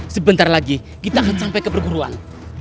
sebentar lagi kita akan sampai ke perguruan